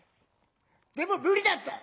でも無理だった！